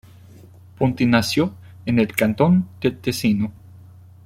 Ponti nació en el cantón del Tesino.